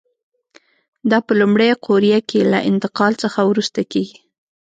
دا په لومړۍ قوریه کې له انتقال څخه وروسته کېږي.